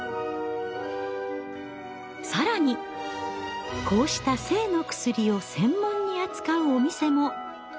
更にこうした性の薬を専門に扱うお店も。